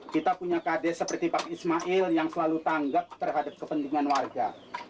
kita punya kd seperti pak ismail yang selalu tanggap terhadap kepentingan warga